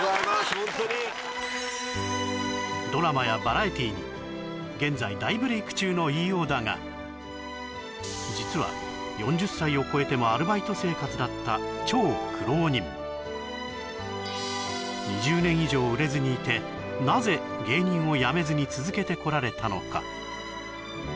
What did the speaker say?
ホントにドラマやバラエティに現在大ブレイク中の飯尾だが実は４０歳を超えてもアルバイト生活だった超苦労人２０年以上売れずにいてなぜ芸人をやめずに続けてこられたのか？